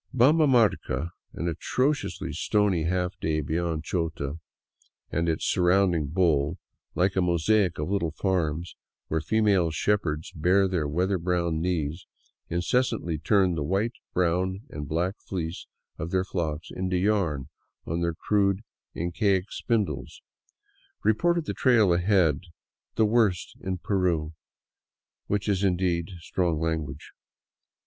Bambamarca, an atrociously stony half day beyond Chota and its surrounding bowl, like a mosaic of little farms where female shepherds, bare to their weather browned knees, incessantly turn the white, brown, and black fleece of their flocks into yarn on their crude Incaic spindles, reported the trail ahead " the worst road in Peru "— which is indeed strong language.